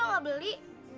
aku juga gak beli